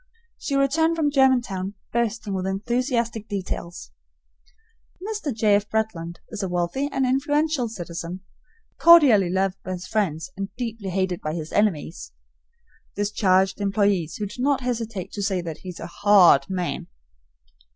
She returned from Germantown bursting with enthusiastic details. Mr. J. F. Bretland is a wealthy and influential citizen, cordially loved by his friends and deeply hated by his enemies (discharged employees, who do not hesitate to say that he is a HAR RD man).